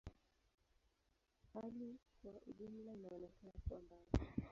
Hali kwa ujumla inaonekana kuwa mbaya.